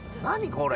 これ。